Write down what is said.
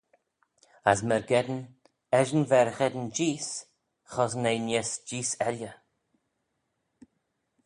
As myrgeddin eshyn v'er gheddyn jees, chossyn eh neesht jees elley.